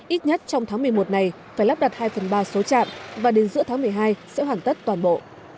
ít nhất trong tháng một mươi một này phải lắp đặt hai phần ba số trạm và đến giữa tháng một mươi hai sẽ hoàn tất toàn bộ